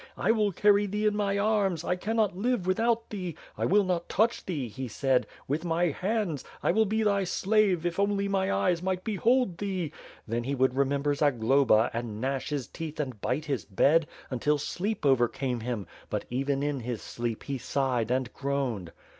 'I will carry thee in my arms — I cannot live with out thee — ^I will not touch thee,' he said, 'with my hands; I will be thy slave if only my eyes might behold thee!' Then, he would remember Zagloba and gnash his teeth and bite his . bed, until sleep overcame him; but even in his sleep he sighed and. groaned."